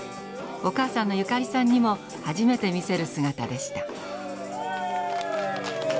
お母さんのゆかりさんにも初めて見せる姿でした。